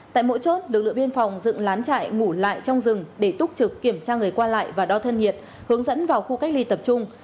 tại mỗi chốt lực lượng biên phòng dựng lán trại ngủ lại trong rừng để túc trực kiểm tra người qua lại và đo thân nhiệt hướng dẫn vào khu cách ly tập trung